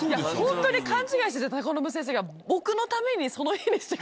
ホントに勘違いしてて信先生が。